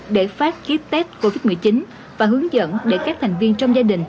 để phát kiếp test covid một mươi chín và hướng dẫn để các thành viên trong gia đình